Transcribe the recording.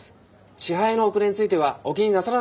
支払いの遅れについてはお気になさらないでくださいね。